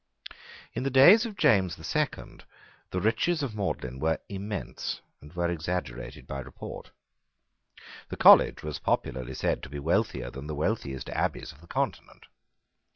In the days of James the Second the riches of Magdalene were immense, and were exaggerated by report. The college was popularly said to be wealthier than the wealthiest abbeys of the Continent.